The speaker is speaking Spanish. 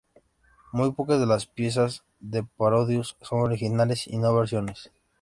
Muy pocas de las piezas de "Parodius" son originales y no versiones.